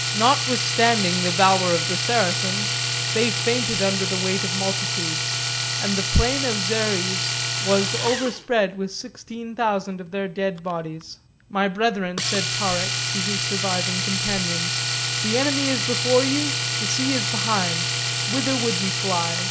Notwithstanding the valour of the Saracens, they fainted under the weight of multitudes, and the plain of Xeres was overspread with sixteen thousand of their dead bodies. "My brethren," said Tarik to his surviving companions, "the enemy is before you, the sea is behind; whither would ye fly?